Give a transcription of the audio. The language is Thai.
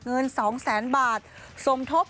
เงิน๒๐๐๐๐๐บาทสมทบ